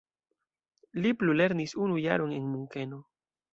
Li plulernis unu jaron en Munkeno.